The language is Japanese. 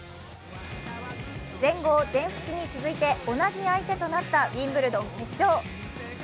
全豪・全仏に続いて同じ相手となったウィンブルドン決勝。